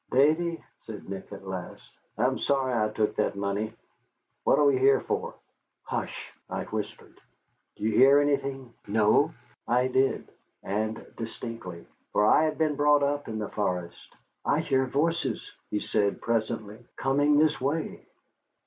"Davy," said Nick, at last, "I'm sorry I took that money. What are we here for?" "Hush!" I whispered; "do you hear anything?" I did, and distinctly. For I had been brought up in the forest. "I hear voices," he said presently, "coming this way."